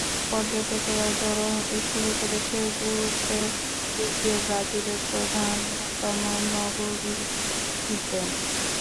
পর্যটকেরাও জড়ো হতে শুরু করেছে গুরুত্বের দিক দিয়ে ব্রাজিলের প্রধানতম নগরীটিতে।